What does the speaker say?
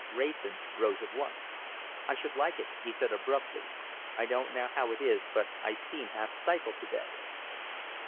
Wrayson rose at once. "I should like it," he said abruptly. "I don't know how it is, but I seem half stifled to day."